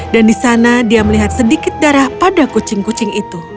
dan di sana dia melihat sedikit darah pada kucing kucing itu